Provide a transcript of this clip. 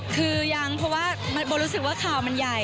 คือยังเพราะว่าโบรู้สึกว่าข่าวมันใหญ่